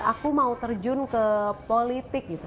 aku mau terjun ke politik gitu